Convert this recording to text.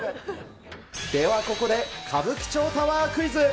ではここで、歌舞伎町タワークイズ。